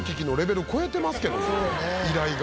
依頼が。